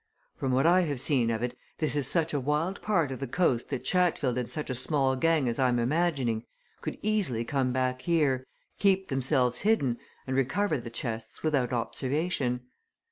From what I have seen of it this is such a wild part of the coast that Chatfield and such a small gang as I am imagining, could easily come back here, keep themselves hidden and recover the chests without observation.